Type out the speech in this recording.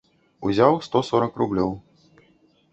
Узяў сто сорак рублёў.